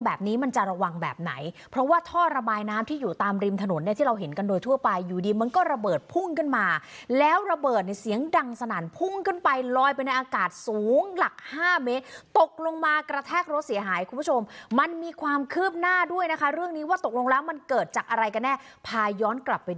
แบบนี้มันจะระวังแบบไหนเพราะว่าท่อระบายน้ำที่อยู่ตามริมถนนเนี่ยที่เราเห็นกันโดยทั่วไปอยู่ดีมันก็ระเบิดพุ่งขึ้นมาแล้วระเบิดเนี่ยเสียงดังสนั่นพุ่งขึ้นไปลอยไปในอากาศสูงหลักห้าเมตรตกลงมากระแทกรถเสียหายคุณผู้ชมมันมีความคืบหน้าด้วยนะคะเรื่องนี้ว่าตกลงแล้วมันเกิดจากอะไรกันแน่พาย้อนกลับไปดู